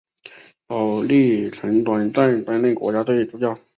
保历曾短暂担任国家队助教。